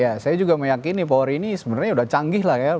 ya saya juga meyakini polri ini sebenarnya sudah canggih lah ya